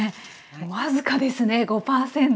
僅かですね５％。